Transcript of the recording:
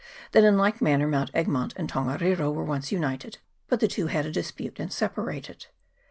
That in like man ner Mount Egmont and Tongariro were once united, but the two had a dispute, and separated.